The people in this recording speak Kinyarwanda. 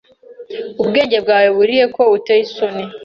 Ubwenge bwawe burihe ko uteye isoni?